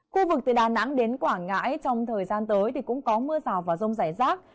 khu vực từ đà nẵng đến quảng ngãi trong thời gian tới thì cũng có mưa rào và rông rải rác